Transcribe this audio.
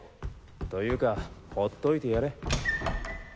というかほっといてやれ。